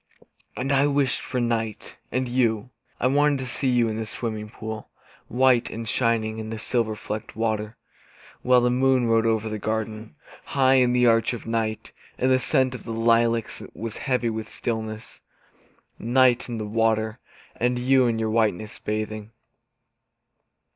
And I wished for night and you. I wanted to see you in the swimming pool, White and shining in the silver flecked water. While the moon rode over the garden, High in the arch of night, And the scent of the lilacs was heavy with stillness. Night, and the water, and you in your whiteness, bathing!